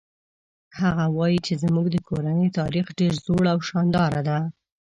هغه وایي چې زموږ د کورنۍ تاریخ ډېر زوړ او شانداره ده